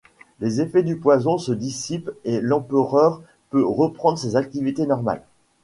Les effets du poison se dissipent et l’Empereur peut reprendre ses activités normales.